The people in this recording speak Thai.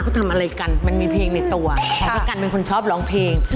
เขามีเพลงในตัวและประกันเป็นคนชอบร้องเพลง